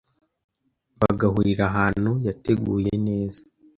bagahurira ahantu yateguye neza